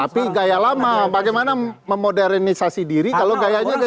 tapi gaya lama bagaimana memodernisasi diri kalau gayanya